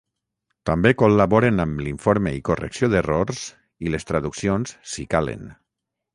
També col·laboren amb l'informe i correcció d'errors i les traduccions si calen.